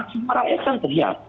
nah siapa rakyat yang teriak